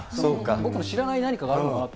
僕の知らない何かがあるのかなって。